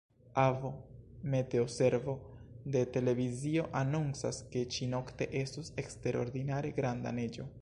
Avo, meteoservo de televizio anoncas, ke ĉi-nokte estos eksterordinare granda neĝo.